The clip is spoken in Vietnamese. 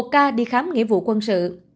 một ca đi khám nghĩa vụ quân sự